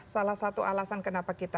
salah satu alasan kenapa